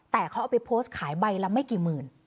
แต่เขาเอาไปโพสต์ขายใบละไม่กี่หมื่น